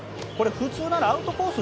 普通ならアウトコース